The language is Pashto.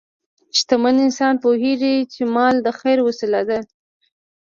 شتمن انسان پوهېږي چې مال د خیر وسیله ده.